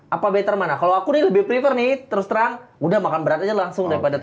apa better mana kalau aku lebih pribadi terus terang udah makan beratnya langsung daripada